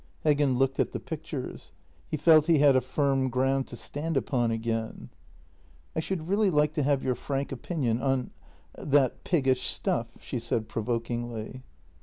Heggen looked at the pictures. He felt he had a firm ground to stand upon again. " I should really like to have your frank opinion on — that piggish stuff," she said provokingly.